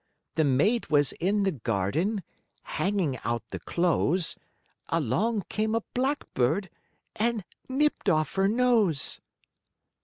The maid was in the garden, Hanging out the clothes, Along came a blackbird And nipped off her nose.'